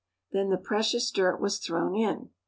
Then the precious dirt was thrown in.